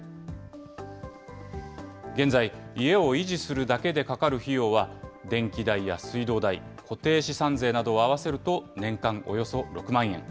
現在、家を維持するだけでかかる費用は、電気代や水道代、固定資産税などを合わせると年間およそ６万円。